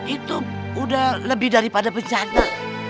itu udah lebih daripada bencana